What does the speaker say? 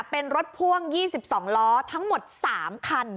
เป็นรถพ่วง๒๒ล้อทั้งหมด๓คัน